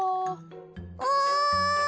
おい！